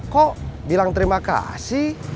kok bilang terima kasih